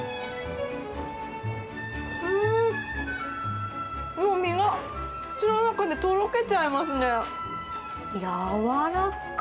うーん、もう身が口の中でとろけちゃいますね。